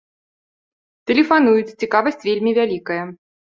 Тэлефануюць, цікавасць вельмі вялікая.